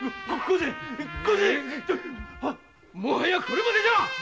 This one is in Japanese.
もはやこれまでじゃ！